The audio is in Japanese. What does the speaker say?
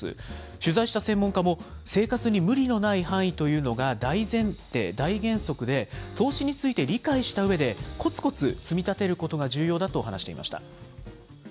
取材した専門家も、生活に無理のない範囲というのが大前提、大原則で、投資について理解したうえで、こつこつ積み立てることが重要だと話していました。